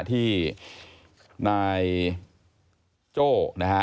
ที่นายโจ้นะฮะ